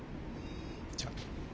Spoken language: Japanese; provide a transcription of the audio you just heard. じゃあ。